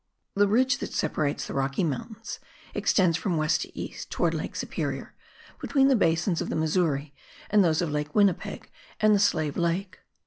The ridge that separates the Rocky Mountains extends from west to east, towards Lake Superior, between the basins of the Missouri and those of Lake Winnipeg and the Slave Lake.